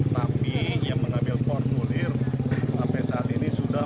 tapi yang mengambil formulir sampai saat ini sudah empat tujuh ratus